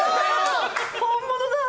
本物だ！